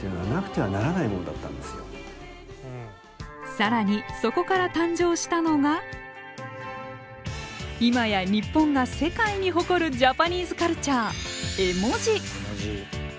更にそこから誕生したのが今や日本が世界に誇るジャパニーズカルチャー絵文字。